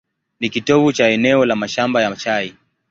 Ni kitovu cha eneo la mashamba ya chai.